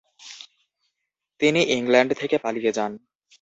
তিনি ইংল্যান্ড থেকে পালিয়ে যান।